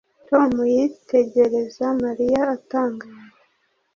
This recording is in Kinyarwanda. Tom yitegereza Mariya atangaye